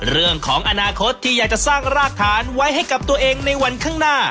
เรื่องของอนาคตที่อยากจะสร้างรากฐานไว้ให้กับตัวเองในวันข้างหน้า